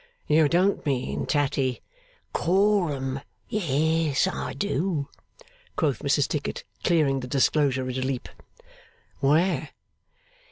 'You don't mean Tatty ' 'Coram yes I do!' quoth Mrs Tickit, clearing the disclosure at a leap. 'Where?